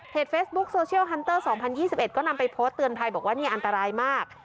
เพจเฟสบุ๊คโซเชียลฮันเตอร์สองพันยี่สิบเอ็ดก็นำไปโพสต์เตือนภัยบอกว่านี่อันตรายมาก